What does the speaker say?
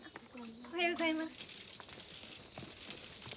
おはようございます。